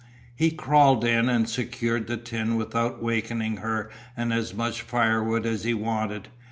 He crawled in and secured the tin without wakening her and as much firewood as he wanted.